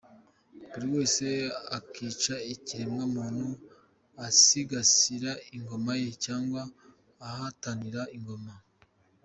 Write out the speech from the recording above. Buri wese akica ikiremwamuntu asigasira ingoma ye cyangwa ahatanira ingoma.